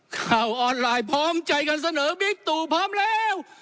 ข่าวออนไลน์พร้อมใจกันเสนอบิ๊กตู่พร้อมแล้ว